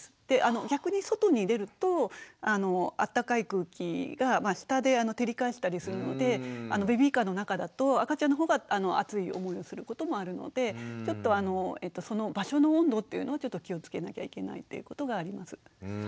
逆に外に出るとあったかい空気が下で照り返したりするのでベビーカーの中だと赤ちゃんの方が暑い思いをすることもあるのでちょっとその場所の温度っていうのを気をつけなきゃいけないっていうことがあります。